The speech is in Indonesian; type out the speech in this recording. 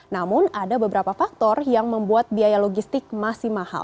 namun ada beberapa faktor yang membuat biaya logistik masih mahal